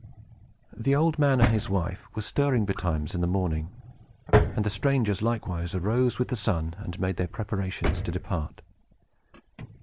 The old man and his wife were stirring betimes in the morning, and the strangers likewise arose with the sun, and made their preparations to depart.